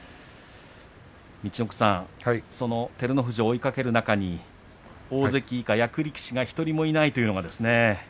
陸奥さん、照ノ富士を追いかける中に大関以下、役力士が１人もいないというのはですね